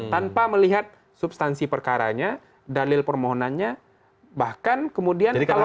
tanpa melihat substansi perkara nya dalil permohonannya bahkan kemudian